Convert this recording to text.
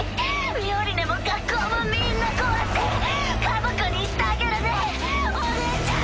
ミオリネも学校もみんな壊して家族にしてあげるねお姉ちゃん！